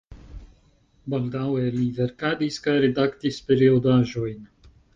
Baldaŭe li verkadis kaj redaktis periodaĵojn.